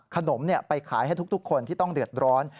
ขนมไปขายให้ทุกคนที่ต้องเดือดร้อน